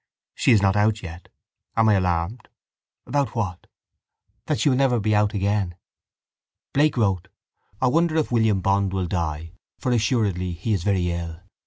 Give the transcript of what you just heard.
She is not out yet. Am I alarmed? About what? That she will never be out again. Blake wrote: I wonder if William Bond will die For assuredly he is very ill.